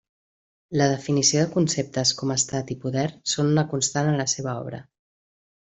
La definició de conceptes com Estat i poder són una constant a la seva obra.